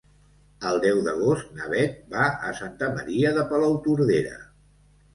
El deu d'agost na Bet va a Santa Maria de Palautordera.